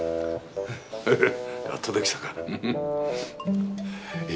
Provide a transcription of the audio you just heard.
やっとできたか。